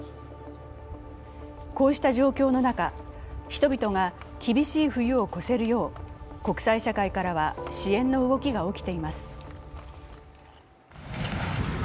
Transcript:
こうした状況の中、人々が厳しい冬を越せるよう、国際社会からは支援の動きが起きています。